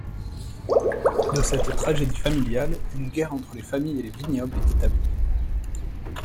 De cette tragédie familiale, une guerre entre les familles et les vignobles est établie.